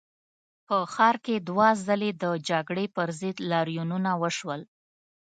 په ښار کې دوه ځلي د جګړې پر ضد لاریونونه وشول.